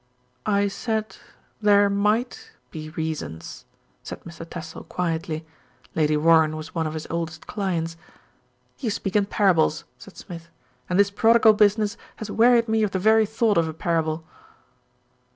"I said there might be reasons," said Mr. Tassell quietly. Lady Warren was one of his oldest clients. "You speak in parables," said Smith, "and this prod igal business has wearied me of the very thought of a parable."